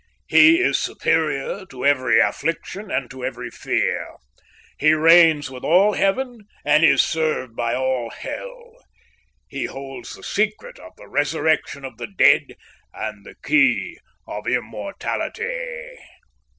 He is superior to every affliction and to every fear. He reigns with all heaven and is served by all hell. He holds the secret of the resurrection of the dead, and the key of immortality."